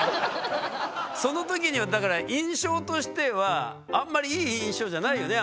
その時にはだから印象としてはあんまりいい印象じゃないよね？